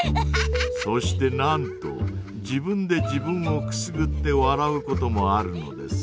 そしてなんと自分で自分をくすぐって笑うこともあるのです。